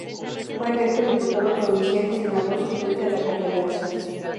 Fue electo diputado provincial y senador suplente de la Confederación.